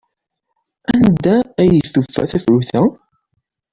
Anda ay tufa tafrut-a?